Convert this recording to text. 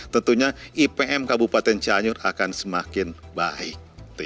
tentunya ipm kabupaten cianyur akan semakin baik